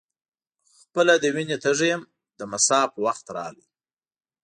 خپله د وینې تږی یم د مصاف وخت راغی.